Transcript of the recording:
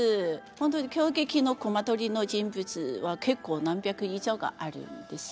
本当に京劇の隈取の人物は結構何百以上があるんです。